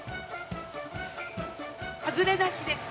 ハズレなしです。